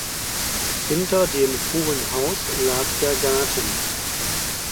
Hinter dem Hohen Haus lag der Garten.